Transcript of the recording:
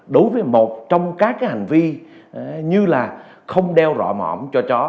đối với một trong các cái hành vi như là không đeo rõ mỏm cho chó